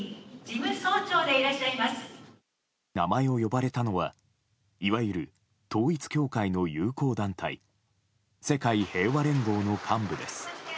名前を呼ばれたのはいわゆる統一教会の友好団体世界平和連合の幹部です。